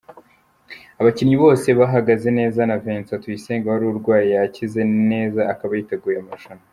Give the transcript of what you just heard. Abakinnyi bose bahagaze neza na Vincent Tuyisenge wari urwaye, yakize neza akaba yiteguye amarushanwa.